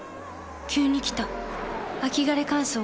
急に来た秋枯れ乾燥。